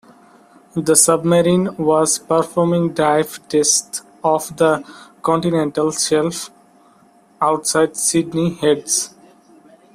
The submarine was performing dive tests off the continental shelf outside Sydney Heads.